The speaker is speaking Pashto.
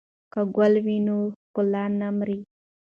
که ګل وي نو ښکلا نه مري.